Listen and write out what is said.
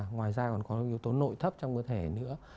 ngoài ra còn có yếu tố nội thấp trong cơ thể nữa